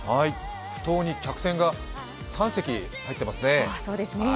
ふ頭に客船が３隻入っていますね。